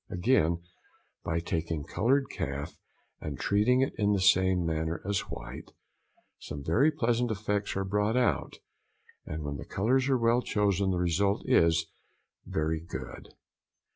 Again, by taking coloured calf and treating it in the same manner as white, some very pleasant effects are brought out; and when the colours are well chosen the result is very good.